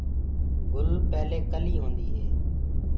گُل پيلي ڪلي هوندو هي۔